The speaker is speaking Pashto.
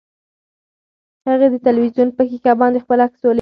هغې د تلویزیون په ښیښه باندې خپل عکس ولید.